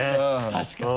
確かに。